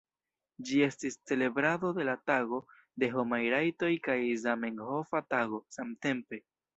Ĝi estis celebrado de la Tago de Homaj Rajtoj kaj Zamenhofa Tago samtempe.